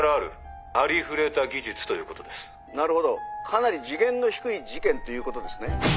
かなり次元の低い事件ということですね？